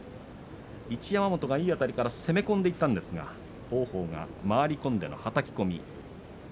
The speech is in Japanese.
一山本がいいあたりから攻め込んでいったんですが王鵬が回り込んでのはたき込み。